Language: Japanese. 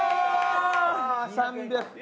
３００か。